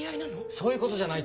そういうことじゃないってば。